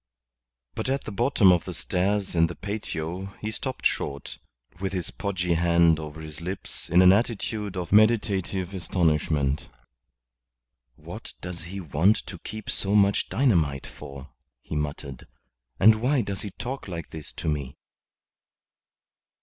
But at the bottom of the stairs in the patio he stopped short, with his podgy hand over his lips in an attitude of meditative astonishment. "What does he want to keep so much dynamite for?" he muttered. "And why does he talk like this to me?"